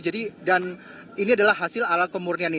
jadi dan ini adalah hasil alat pemurnian ini